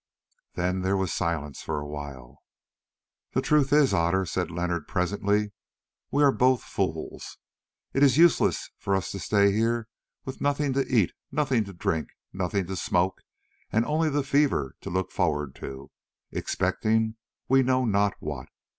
Then there was silence for a while. "The truth is, Otter," said Leonard presently, "we are both fools. It is useless for us to stay here with nothing to eat, nothing to drink, nothing to smoke, and only the fever to look forward to, expecting we know not what.